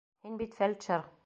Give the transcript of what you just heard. Һин бит фельдшер.